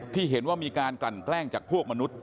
ที่เห็นว่ามีการกลั่นแกล้งจากพวกมนุษย